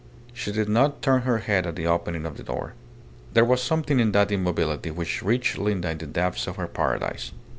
She did not turn her head at the opening of the door. There was something in that immobility which reached Linda in the depths of her paradise.